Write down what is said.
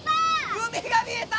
海が見えた！